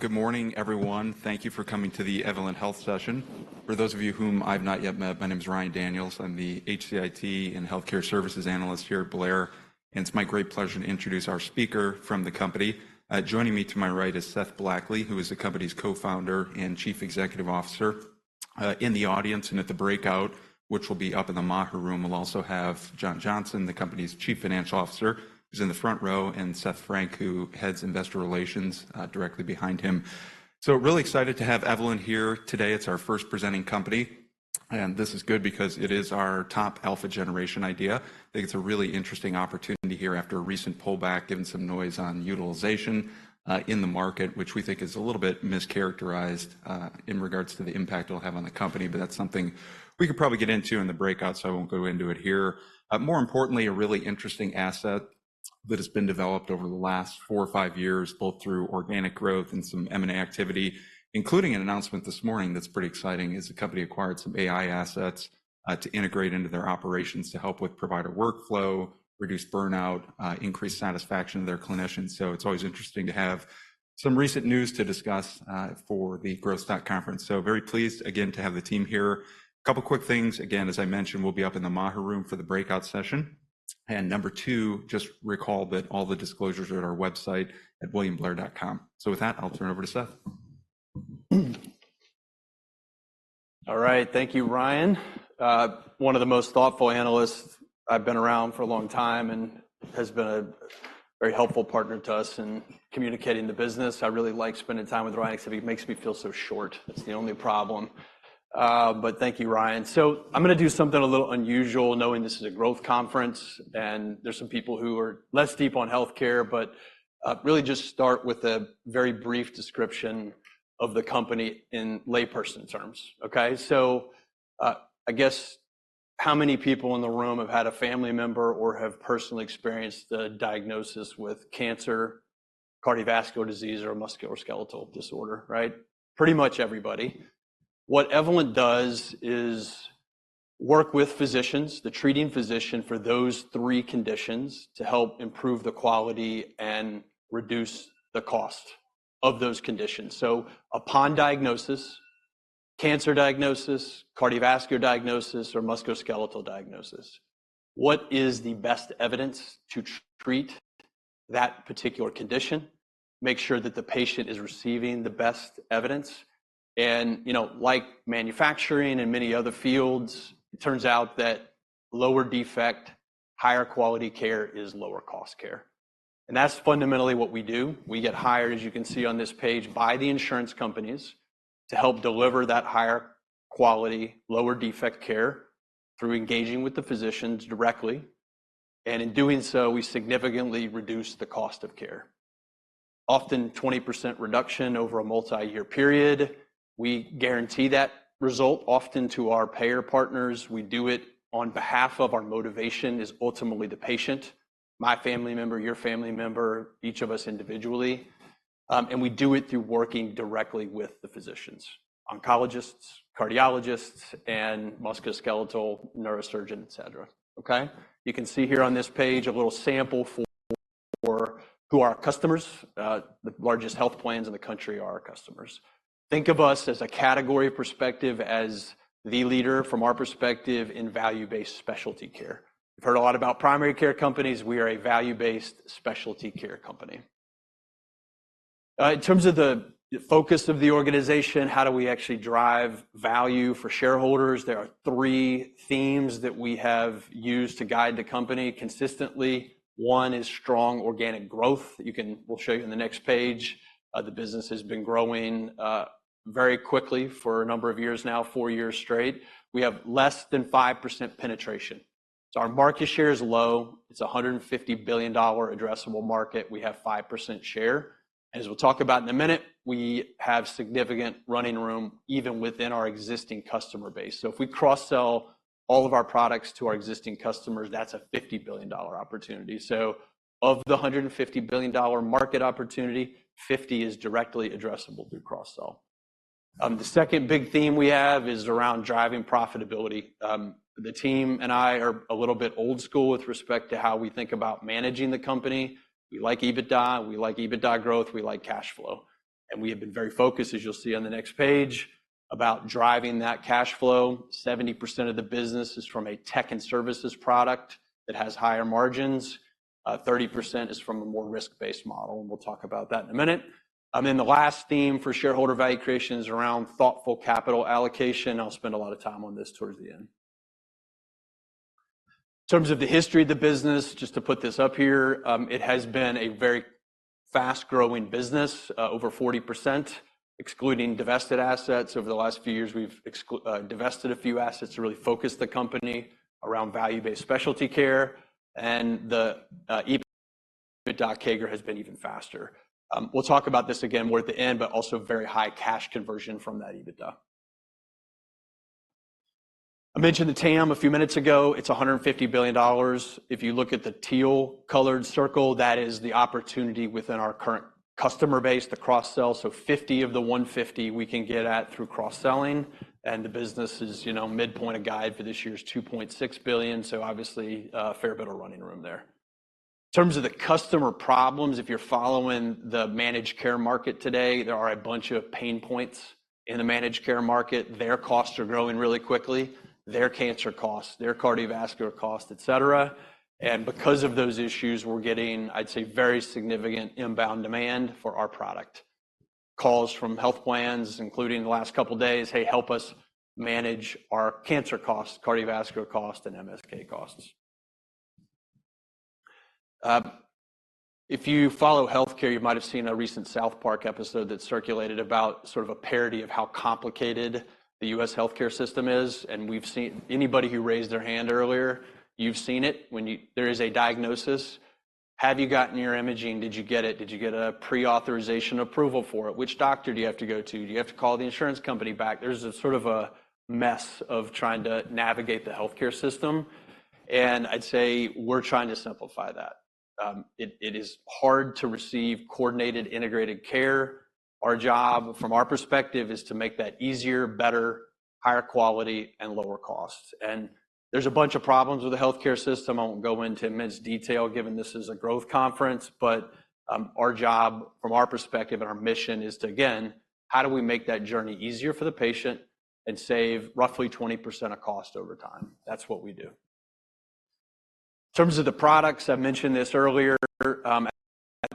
Good morning, everyone. Thank you for coming to the Evolent Health session. For those of you whom I've not yet met, my name is Ryan Daniels. I'm the HCIT and Healthcare Services Analyst here at Blair, and it's my great pleasure to introduce our speaker from the company. Joining me to my right is Seth Blackley, who is the company's Co-Founder and Chief Executive Officer. In the audience and at the breakout, which will be up in the Maher Room, we'll also have John Johnson, the company's Chief Financial Officer, who's in the front row, and Seth Frank, who heads Investor Relations, directly behind him. So really excited to have Evolent here today. It's our first presenting company, and this is good because it is our top alpha generation idea. I think it's a really interesting opportunity here after a recent pullback, given some noise on utilization, in the market, which we think is a little bit mischaracterized, in regards to the impact it'll have on the company. But that's something we could probably get into in the breakout, so I won't go into it here. More importantly, a really interesting asset that has been developed over the last four or five years, both through organic growth and some M&A activity, including an announcement this morning that's pretty exciting, is the company acquired some AI assets, to integrate into their operations to help with provider workflow, reduce burnout, increase satisfaction of their clinicians. So it's always interesting to have some recent news to discuss, for the Growth Stock Conference. So very pleased, again, to have the team here. A couple quick things. Again, as I mentioned, we'll be up in the Maher Room for the breakout session. And number two, just recall that all the disclosures are at our website at williamblair.com. So with that, I'll turn it over to Seth. All right. Thank you, Ryan. One of the most thoughtful analysts I've been around for a long time and has been a very helpful partner to us in communicating the business. I really like spending time with Ryan, except he makes me feel so short. That's the only problem. But thank you, Ryan. So I'm gonna do something a little unusual, knowing this is a growth conference, and there's some people who are less deep on healthcare, but really just start with a very brief description of the company in layperson terms. Okay, so, I guess, how many people in the room have had a family member or have personally experienced a diagnosis with cancer, cardiovascular disease, or a musculoskeletal disorder, right? Pretty much everybody. What Evolent does is work with physicians, the treating physician for those three conditions, to help improve the quality and reduce the cost of those conditions. So upon diagnosis, cancer diagnosis, cardiovascular diagnosis, or musculoskeletal diagnosis, what is the best evidence to treat that particular condition? Make sure that the patient is receiving the best evidence, and, you know, like manufacturing and many other fields, it turns out that lower defect, higher quality care is lower cost care. And that's fundamentally what we do. We get hired, as you can see on this page, by the insurance companies to help deliver that higher quality, lower defect care through engaging with the physicians directly. And in doing so, we significantly reduce the cost of care. Often 20% reduction over a multi-year period. We guarantee that result often to our payer partners. We do it on behalf of our motivation is ultimately the patient, my family member, your family member, each of us individually, and we do it through working directly with the physicians, oncologists, cardiologists, and musculoskeletal, neurosurgeon, et cetera, okay? You can see here on this page a little sample for who our customers, the largest health plans in the country are our customers. Think of us as a category perspective, as the leader from our perspective in value-based specialty care. You've heard a lot about primary care companies. We are a value-based specialty care company. In terms of the focus of the organization, how do we actually drive value for shareholders? There are three themes that we have used to guide the company consistently. One is strong organic growth. We'll show you in the next page. The business has been growing very quickly for a number of years now, four years straight. We have less than 5% penetration, so our market share is low. It's a $150 billion addressable market. We have 5% share, and as we'll talk about in a minute, we have significant running room, even within our existing customer base. So if we cross-sell all of our products to our existing customers, that's a $50 billion opportunity. So of the $150 billion market opportunity, $50 billion is directly addressable through cross-sell. The second big theme we have is around driving profitability. The team and I are a little bit old school with respect to how we think about managing the company. We like EBITDA, we like EBITDA growth, we like cash flow, and we have been very focused, as you'll see on the next page, about driving that cash flow. 70% of the business is from a Tech & Services product that has higher margins. 30% is from a more risk-based model, and we'll talk about that in a minute. Then the last theme for shareholder value creation is around thoughtful capital allocation. I'll spend a lot of time on this towards the end. In terms of the history of the business, just to put this up here, it has been a very fast-growing business, over 40%, excluding divested assets. Over the last few years, we've divested a few assets to really focus the company around value-based specialty care and the EBITDA CAGR has been even faster. We'll talk about this again more at the end, but also very high cash conversion from that EBITDA. I mentioned the TAM a few minutes ago. It's $150 billion. If you look at the teal-colored circle, that is the opportunity within our current customer base to cross-sell. So 50 of the 150 we can get at through cross-selling, and the business is, you know, midpoint of guide for this year's $2.6 billion. So obviously, a fair bit of running room there.... In terms of the customer problems, if you're following the managed care market today, there are a bunch of pain points in the managed care market. Their costs are growing really quickly, their cancer costs, their cardiovascular costs, et cetera. And because of those issues, we're getting, I'd say, very significant inbound demand for our product. Calls from health plans, including the last couple of days, "Hey, help us manage our cancer costs, cardiovascular costs, and MSK costs." If you follow healthcare, you might have seen a recent South Park episode that circulated about sort of a parody of how complicated the U.S. healthcare system is, and we've seen, anybody who raised their hand earlier, you've seen it. When there is a diagnosis: Have you gotten your imaging? Did you get it? Did you get a pre-authorization approval for it? Which doctor do you have to go to? Do you have to call the insurance company back? There's a sort of a mess of trying to navigate the healthcare system, and I'd say we're trying to simplify that. It is hard to receive coordinated, integrated care. Our job, from our perspective, is to make that easier, better, higher quality, and lower cost. There's a bunch of problems with the healthcare system. I won't go into immense detail, given this is a growth conference, but, our job from our perspective and our mission is to, again, how do we make that journey easier for the patient and save roughly 20% of cost over time? That's what we do. In terms of the products, I mentioned this earlier, at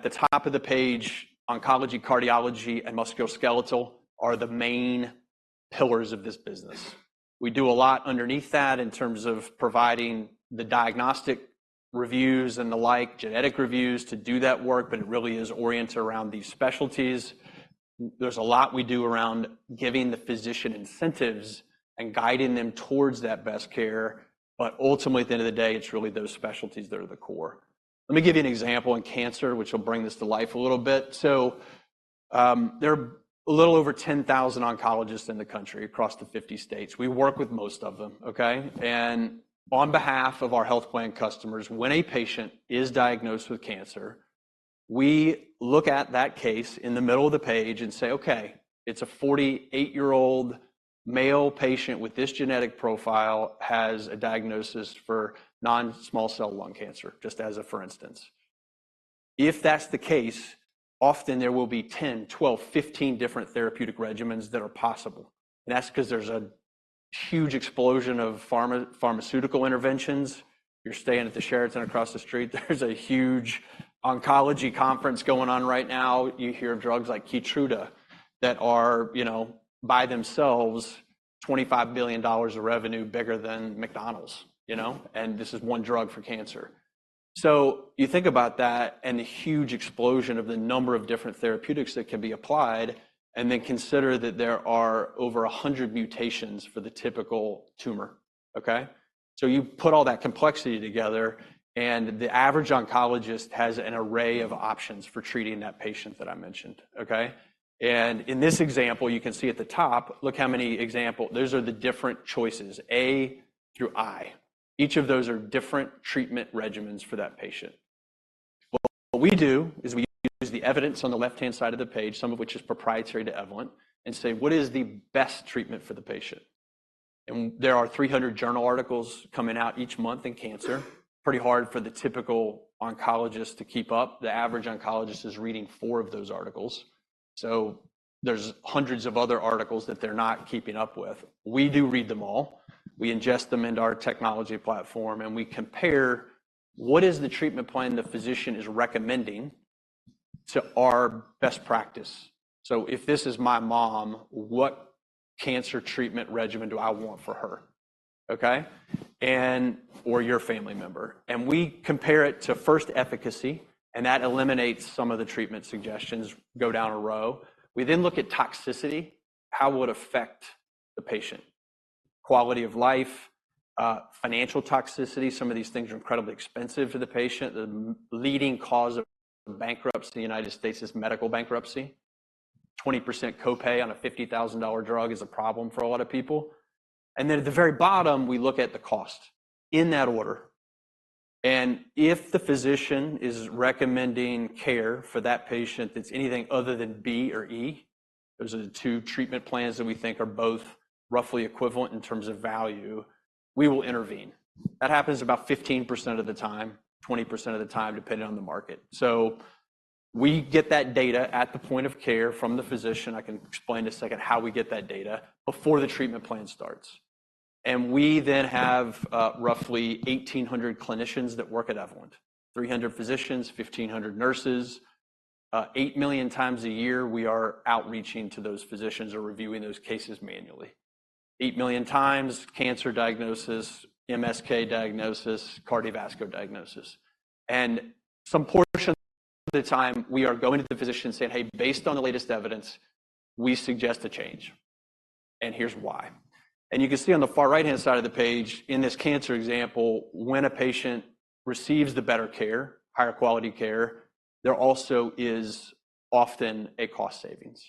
the top of the page, Oncology, Cardiology, and Musculoskeletal are the main pillars of this business. We do a lot underneath that in terms of providing the diagnostic reviews and the like, genetic reviews to do that work, but it really is oriented around these specialties. There's a lot we do around giving the physician incentives and guiding them towards that best care, but ultimately, at the end of the day, it's really those specialties that are the core. Let me give you an example in cancer, which will bring this to life a little bit. So, there are a little over 10,000 oncologists in the country across the 50 states. We work with most of them, okay? And on behalf of our health plan customers, when a patient is diagnosed with cancer, we look at that case in the middle of the page and say, "Okay, it's a 48-year-old male patient with this genetic profile, has a diagnosis for non-small cell lung cancer," just as a for instance. If that's the case, often there will be 10, 12, 15 different therapeutic regimens that are possible, and that's 'cause there's a huge explosion of pharmaceutical interventions. You're staying at the Sheraton across the street. There's a huge oncology conference going on right now. You hear of drugs like Keytruda that are, you know, by themselves, $25 billion of revenue, bigger than McDonald's, you know, and this is one drug for cancer. So you think about that and the huge explosion of the number of different therapeutics that can be applied, and then consider that there are over 100 mutations for the typical tumor, okay? So you put all that complexity together, and the average oncologist has an array of options for treating that patient that I mentioned, okay? And in this example, you can see at the top, look how many example. Those are the different choices, A through I. Each of those are different treatment regimens for that patient. What we do is we use the evidence on the left-hand side of the page, some of which is proprietary to Evolent, and say, "What is the best treatment for the patient?" There are 300 journal articles coming out each month in cancer. Pretty hard for the typical oncologist to keep up. The average oncologist is reading four of those articles, so there's hundreds of other articles that they're not keeping up with. We do read them all. We ingest them into our technology platform, and we compare what is the treatment plan the physician is recommending to our best practice. So if this is my mom, what cancer treatment regimen do I want for her, okay? Or your family member. And we compare it to, first, efficacy, and that eliminates some of the treatment suggestions, go down a row. We then look at toxicity. How it would affect the patient? Quality of life, financial toxicity. Some of these things are incredibly expensive for the patient. The leading cause of bankruptcy in the United States is medical bankruptcy. 20% copay on a $50,000 drug is a problem for a lot of people. And then, at the very bottom, we look at the cost, in that order. And if the physician is recommending care for that patient that's anything other than B or E, those are the two treatment plans that we think are both roughly equivalent in terms of value, we will intervene. That happens about 15% of the time, 20% of the time, depending on the market. So we get that data at the point of care from the physician, I can explain in a second how we get that data, before the treatment plan starts. We then have roughly 1,800 clinicians that work at Evolent. 300 physicians, 1,500 nurses. 8 million times a year, we are outreaching to those physicians or reviewing those cases manually. 8 million times, cancer diagnosis, MSK diagnosis, cardiovascular diagnosis. And some portion of the time, we are going to the physician and saying, "Hey, based on the latest evidence, we suggest a change, and here's why." And you can see on the far right-hand side of the page, in this cancer example, when a patient receives the better care, higher quality care, there also is often a cost savings.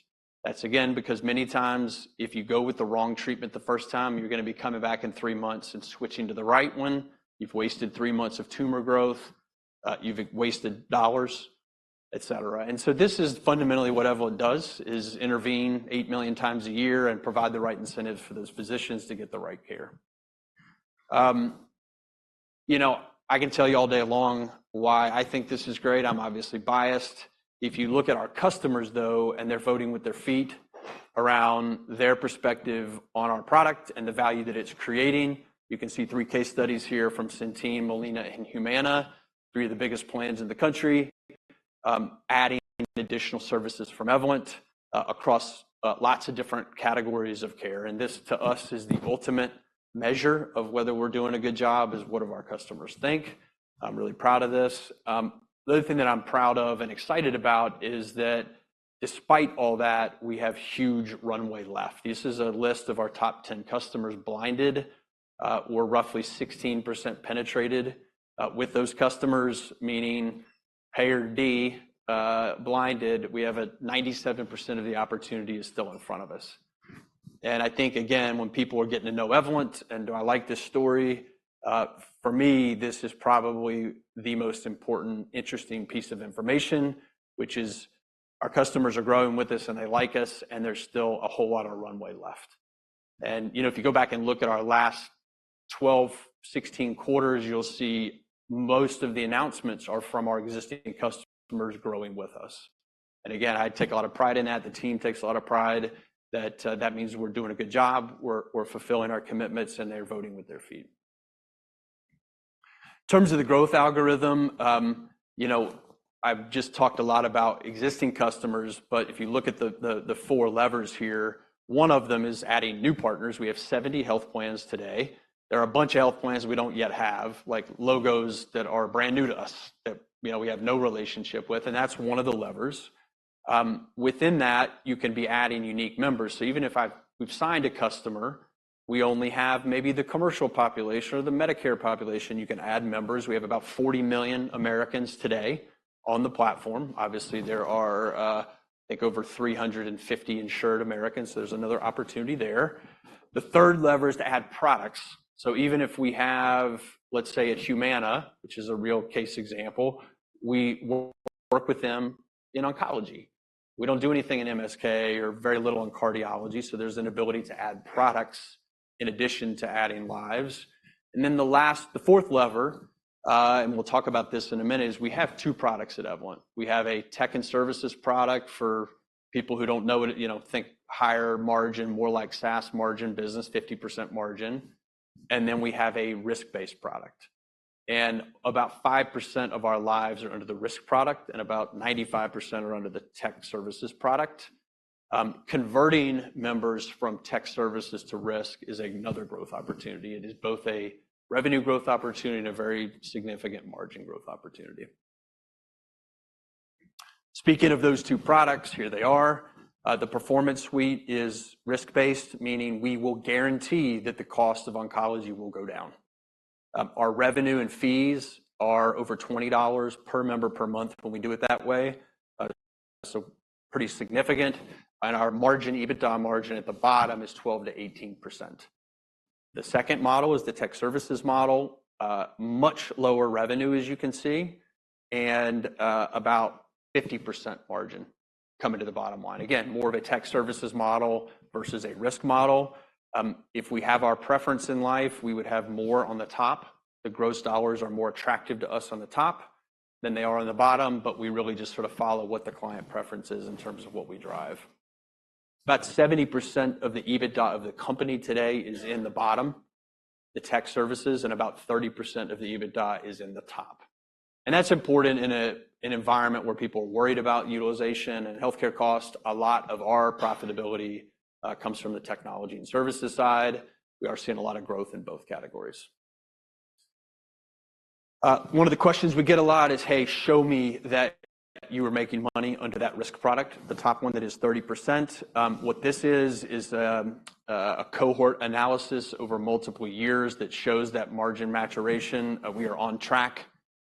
That's again, because many times, if you go with the wrong treatment the first time, you're gonna be coming back in three months and switching to the right one. You've wasted three months of tumor growth, you've wasted dollars, et cetera. And so this is fundamentally what Evolent does, is intervene 8 million times a year and provide the right incentives for those physicians to get the right care. You know, I can tell you all day long why I think this is great. I'm obviously biased. If you look at our customers, though, and they're voting with their feet around their perspective on our product and the value that it's creating, you can see three case studies here from Centene, Molina, and Humana, three of the biggest plans in the country, adding additional services from Evolent across lots of different categories of care. And this, to us, is the ultimate measure of whether we're doing a good job, is what do our customers think? I'm really proud of this. The other thing that I'm proud of and excited about is that despite all that, we have huge runway left. This is a list of our top 10 customers blinded. We're roughly 16% penetrated with those customers, meaning payer D, blinded, we have a 97% of the opportunity is still in front of us. And I think, again, when people are getting to know Evolent, and do I like this story? For me, this is probably the most important, interesting piece of information, which is our customers are growing with us, and they like us, and there's still a whole lot of runway left. And, you know, if you go back and look at our last 12, 16 quarters, you'll see most of the announcements are from our existing customers growing with us. And again, I take a lot of pride in that. The team takes a lot of pride that means we're doing a good job, we're fulfilling our commitments, and they're voting with their feet. In terms of the growth algorithm, you know, I've just talked a lot about existing customers, but if you look at the four levers here, one of them is adding new partners. We have 70 health plans today. There are a bunch of health plans we don't yet have, like, logos that are brand new to us, that, you know, we have no relationship with, and that's one of the levers. Within that, you can be adding unique members. So even if we've signed a customer, we only have maybe the commercial population or the Medicare population, you can add members. We have about 40 million Americans today on the platform. Obviously, there are, I think, over 350 insured Americans, so there's another opportunity there. The third lever is to add products. So even if we have, let's say, a Humana, which is a real case example, we work with them in Oncology. We don't do anything in MSK or very little in Cardiology, so there's an ability to add products in addition to adding lives. And then the last, the fourth lever, and we'll talk about this in a minute, is we have two products at Evolent. We have a Tech & Services product for people who don't know it, you know, think higher margin, more like SaaS margin business, 50% margin. And then we have a risk-based product. And about 5% of our lives are under the risk product, and about 95% are under Tech & Services product. Converting members from Tech & Services to risk is another growth opportunity. It is both a revenue growth opportunity and a very significant margin growth opportunity. Speaking of those two products, here they are. The Performance Suite is risk-based, meaning we will guarantee that the cost of Oncology will go down. Our revenue and fees are over $20 per member per month when we do it that way, so pretty significant. And our margin, EBITDA margin at the bottom is 12%-18%. The second model is the Tech & Services model. Much lower revenue, as you can see, and about 50% margin coming to the bottom line. Again, more of a Tech & Services model versus a risk model. If we have our preference in life, we would have more on the top. The gross dollars are more attractive to us on the top than they are on the bottom, but we really just sort of follow what the client preference is in terms of what we drive. About 70% of the EBITDA of the company today is in the bottom, the Tech & Services, and about 30% of the EBITDA is in the top. And that's important in an environment where people are worried about utilization and healthcare cost. A lot of our profitability comes from the Tech & Services side. We are seeing a lot of growth in both categories. One of the questions we get a lot is, "Hey, show me that you are making money under that risk product," the top one that is 30%. What this is is a cohort analysis over multiple years that shows that margin maturation. We are on track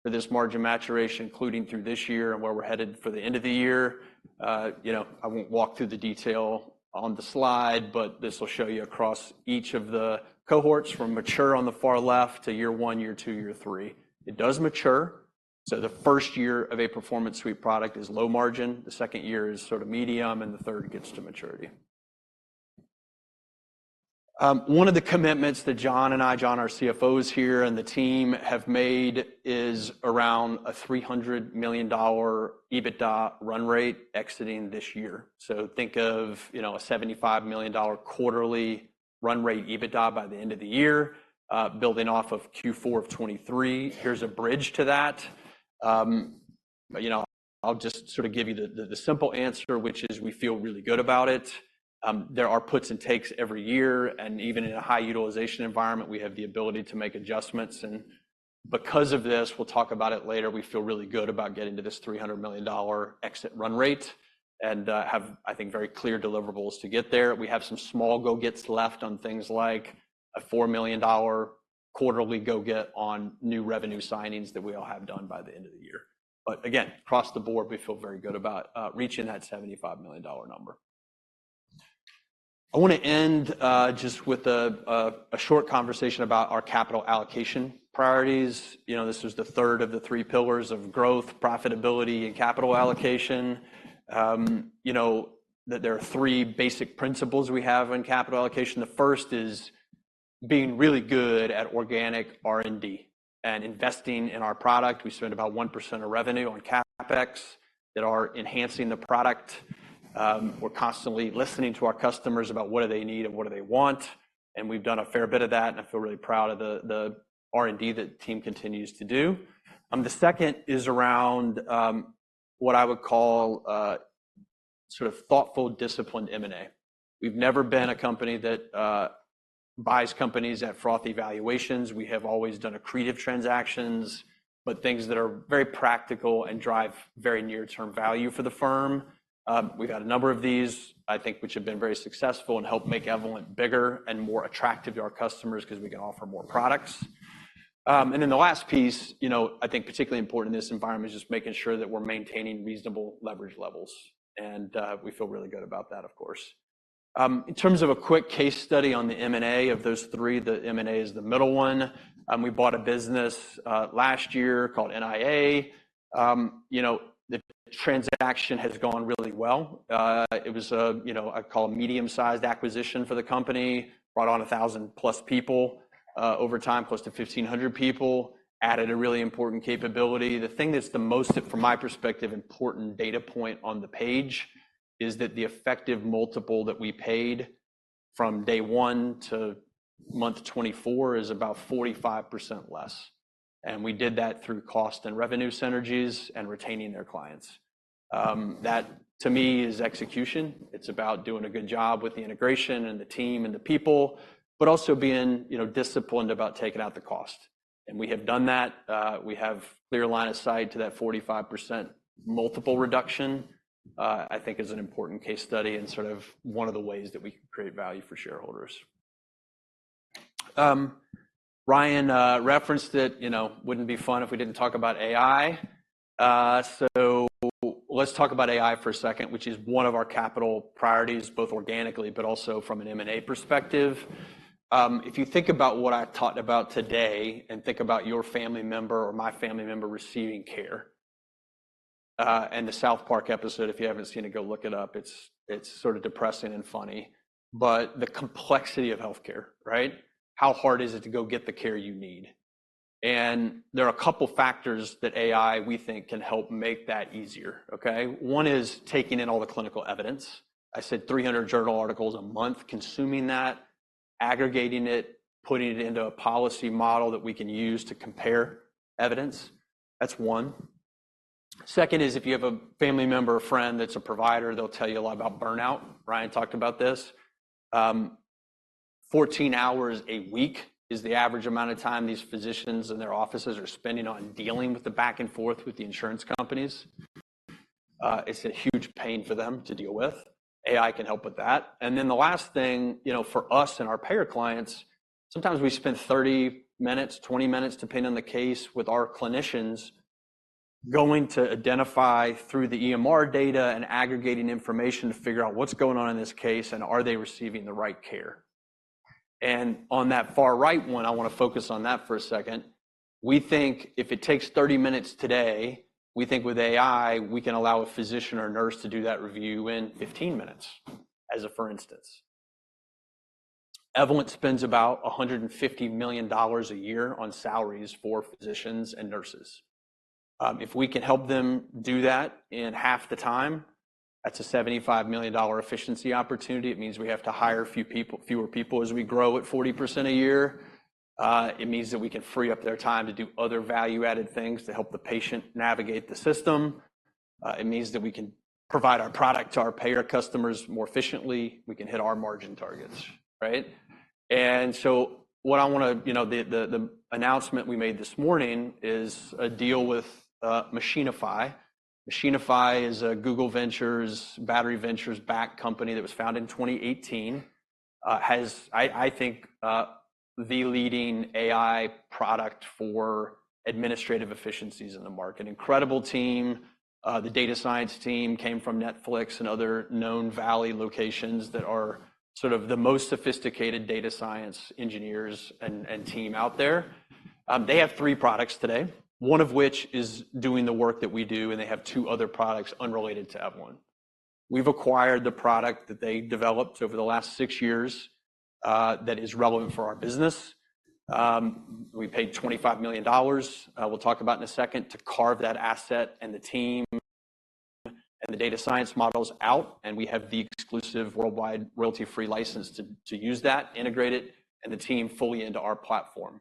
for this margin maturation, including through this year and where we're headed for the end of the year. You know, I won't walk through the detail on the slide, but this will show you across each of the cohorts, from mature on the far left to year one, year two, year three. It does mature, so the first year of a Performance Suite product is low margin, the second year is sort of medium, and the third gets to maturity. One of the commitments that John and I, John, our CFO here, and the team have made is around a $300 million EBITDA run rate exiting this year. So think of, you know, a $75 million quarterly run rate EBITDA by the end of the year, building off of Q4 of 2023. Here's a bridge to that. You know, I'll just sort of give you the simple answer, which is we feel really good about it. There are puts and takes every year, and even in a high-utilization environment, we have the ability to make adjustments. And because of this, we'll talk about it later, we feel really good about getting to this $300 million exit run rate and have, I think, very clear deliverables to get there. We have some small go-gets left on things like a $4 million quarterly go-get on new revenue signings that we all have done by the end of the year. But again, across the board, we feel very good about reaching that $75 million number. I wanna end just with a short conversation about our capital allocation priorities. You know, this was the third of the three pillars of growth, profitability, and capital allocation. You know that there are three basic principles we have in capital allocation. The first is being really good at organic R&D and investing in our product. We spend about 1% of revenue on CapEx that are enhancing the product. We're constantly listening to our customers about what do they need and what do they want, and we've done a fair bit of that, and I feel really proud of the R&D that the team continues to do. The second is around what I would call sort of thoughtful, disciplined M&A. We've never been a company that buys companies at frothy valuations. We have always done accretive transactions, but things that are very practical and drive very near-term value for the firm. We've had a number of these, I think, which have been very successful and helped make Evolent bigger and more attractive to our customers because we can offer more products. And then the last piece, you know, I think particularly important in this environment, is just making sure that we're maintaining reasonable leverage levels, and we feel really good about that, of course. In terms of a quick case study on the M&A, of those three, the M&A is the middle one. We bought a business last year called NIA. You know, the transaction has gone really well. It was a, you know, I'd call a medium-sized acquisition for the company. Brought on 1,000+ people, over time, close to 1,500 people. Added a really important capability. The thing that's the most, from my perspective, important data point on the page is that the effective multiple that we paid from day one to month 24 is about 45% less, and we did that through cost and revenue synergies and retaining their clients. That to me is execution. It's about doing a good job with the integration and the team and the people, but also being, you know, disciplined about taking out the cost. We have done that. We have clear line of sight to that 45% multiple reduction, I think is an important case study and sort of one of the ways that we can create value for shareholders. Ryan referenced it, you know, wouldn't be fun if we didn't talk about AI. So let's talk about AI for a second, which is one of our capital priorities, both organically, but also from an M&A perspective. If you think about what I've talked about today and think about your family member or my family member receiving care, and the South Park episode, if you haven't seen it, go look it up. It's sort of depressing and funny, but the complexity of healthcare, right? How hard is it to go get the care you need? And there are a couple factors that AI, we think, can help make that easier, okay? One is taking in all the clinical evidence. I said 300 journal articles a month, consuming that, aggregating it, putting it into a policy model that we can use to compare evidence. That's one. Second is if you have a family member or friend that's a provider, they'll tell you a lot about burnout. Ryan talked about this. 14 hours a week is the average amount of time these physicians and their offices are spending on dealing with the back and forth with the insurance companies. It's a huge pain for them to deal with. AI can help with that. And then the last thing, you know, for us and our payer clients, sometimes we spend 30 minutes, 20 minutes, depending on the case, with our clinicians, going to identify through the EMR data and aggregating information to figure out what's going on in this case and are they receiving the right care. And on that far right one, I wanna focus on that for a second. We think if it takes 30 minutes today, we think with AI, we can allow a physician or nurse to do that review in 15 minutes, as a for instance. Evolent spends about $150 million a year on salaries for physicians and nurses. If we can help them do that in half the time, that's a $75 million efficiency opportunity. It means we have to hire a few people, fewer people as we grow at 40% a year. It means that we can free up their time to do other value-added things to help the patient navigate the system. It means that we can provide our product to our payer customers more efficiently. We can hit our margin targets, right? And so what I wanna, you know, the announcement we made this morning is a deal with Machinify. Machinify is a Google Ventures, Battery Ventures-backed company that was founded in 2018. I think the leading AI product for administrative efficiencies in the market. Incredible team. The data science team came from Netflix and other known Valley locations that are sort of the most sophisticated data science engineers and team out there. They have three products today, one of which is doing the work that we do, and they have two other products unrelated to Evolent. We've acquired the product that they developed over the last six years that is relevant for our business. We paid $25 million, we'll talk about in a second, to carve that asset and the team and the data science models out, and we have the exclusive worldwide royalty-free license to, to use that, integrate it, and the team fully into our platform.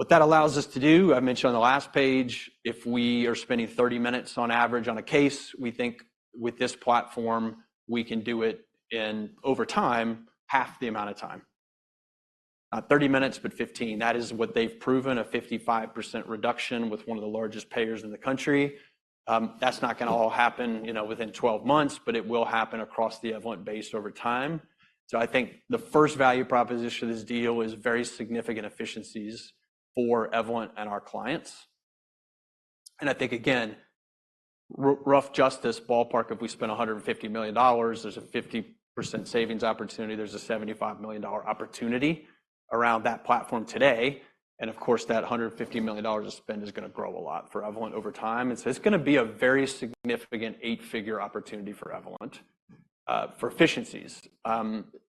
What that allows us to do, I mentioned on the last page, if we are spending 30 minutes on average on a case, we think with this platform, we can do it in over time, half the amount of time. 30 minutes, but 15, that is what they've proven, a 55% reduction with one of the largest payers in the country. That's not gonna all happen, you know, within 12 months, but it will happen across the Evolent base over time. So I think the first value proposition of this deal is very significant efficiencies for Evolent and our clients. I think, again, rough justice ballpark, if we spend $150 million, there's a 50% savings opportunity. There's a $75 million opportunity around that platform today, and of course, that $150 million of spend is gonna grow a lot for Evolent over time. And so it's gonna be a very significant eight-figure opportunity for Evolent, for efficiencies.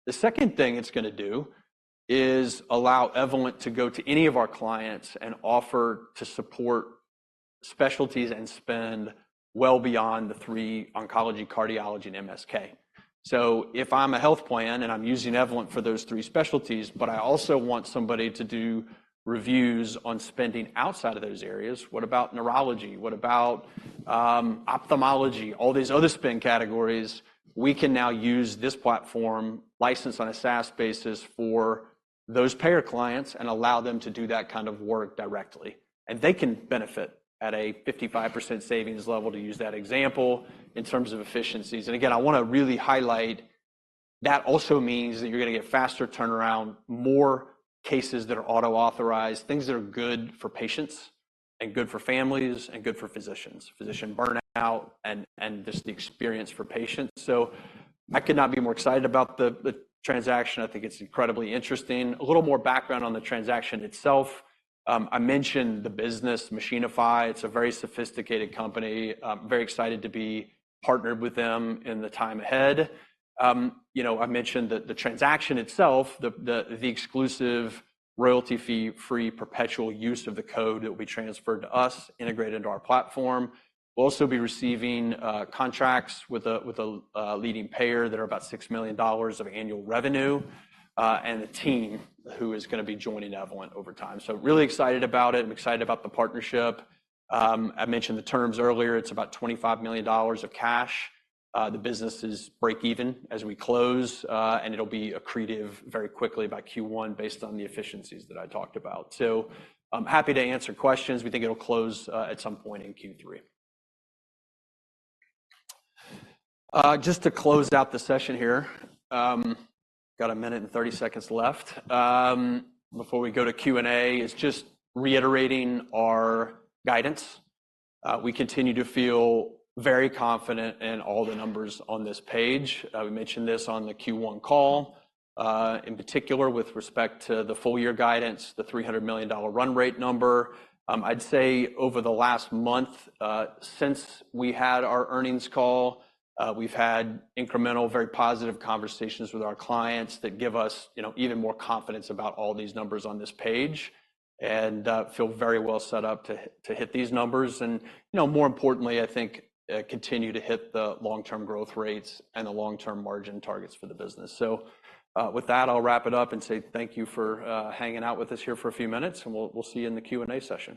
The second thing it's gonna do is allow Evolent to go to any of our clients and offer to support specialties and spend well beyond the three: Oncology, Cardiology, and MSK. So if I'm a health plan, and I'm using Evolent for those three specialties, but I also want somebody to do reviews on spending outside of those areas, what about neurology? What about ophthalmology? All these other spend categories, we can now use this platform, licensed on a SaaS basis, for those payer clients and allow them to do that kind of work directly. And they can benefit at a 55% savings level, to use that example, in terms of efficiencies. And again, I wanna really highlight that also means that you're gonna get faster turnaround, more cases that are auto-authorized, things that are good for patients and good for families and good for physicians. Physician burnout and just the experience for patients. So I could not be more excited about the transaction. I think it's incredibly interesting. A little more background on the transaction itself. I mentioned the business, Machinify. It's a very sophisticated company. Very excited to be partnered with them in the time ahead. You know, I mentioned that the transaction itself, the exclusive royalty fee-free, perpetual use of the code that will be transferred to us, integrated into our platform. We'll also be receiving contracts with a leading payer that are about $6 million of annual revenue, and the team who is gonna be joining Evolent over time. So really excited about it and excited about the partnership. I mentioned the terms earlier. It's about $25 million of cash. The business is break even as we close, and it'll be accretive very quickly by Q1 based on the efficiencies that I talked about. So I'm happy to answer questions. We think it'll close at some point in Q3. Just to close out the session here, got a minute and 30 seconds left before we go to Q&A, is just reiterating our guidance. We continue to feel very confident in all the numbers on this page. We mentioned this on the Q1 call, in particular, with respect to the full year guidance, the $300 million run rate number. I'd say over the last month, since we had our earnings call, we've had incremental, very positive conversations with our clients that give us, you know, even more confidence about all these numbers on this page and feel very well set up to hit these numbers. You know, more importantly, I think, continue to hit the long-term growth rates and the long-term margin targets for the business. So, with that, I'll wrap it up and say thank you for hanging out with us here for a few minutes, and we'll see you in the Q&A session.